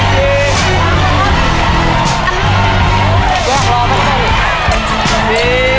ลีนสำคัญ